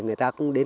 người ta cũng đến